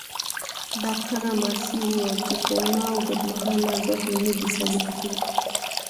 ډاکټره ماسي وویل چې سونا اوږدمهاله ګټې ندي ثابته کړې.